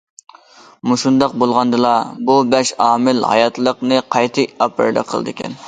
مۇشۇنداق بولغاندىلا بۇ بەش ئامىل ھاياتلىقنى قايتا ئاپىرىدە قىلىدىكەن.